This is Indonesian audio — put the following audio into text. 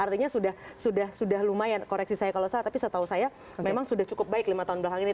artinya sudah lumayan koreksi saya kalau salah tapi setahu saya memang sudah cukup baik lima tahun belakang ini